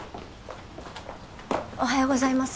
おはようございます